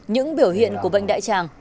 những biểu hiện của bệnh đại tràng